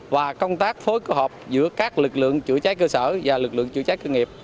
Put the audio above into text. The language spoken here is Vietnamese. và công tác phối hợp giữa các lực lượng chữa cháy cơ sở và lực lượng chữa cháy cơ nghiệp